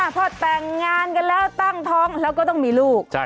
พอแต่งงานกันแล้วตั้งท้องแล้วก็ต้องมีลูก